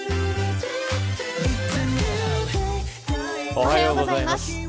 おはようございます。